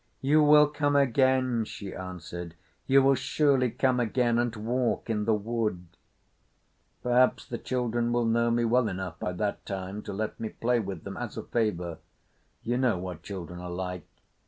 "You will come again," she answered. "You will surely come again and walk in the wood." "Perhaps the children will know me well enough by that time to let me play with them—as a favour. You know what children are like."